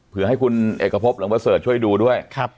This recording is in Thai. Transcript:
เผื่อให้คุณเอกพบหลังว่าเสิร์ฐช่วยดูด้วย